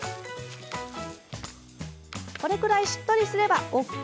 これくらいしっとりすればＯＫ。